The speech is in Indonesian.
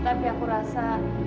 tapi aku rasa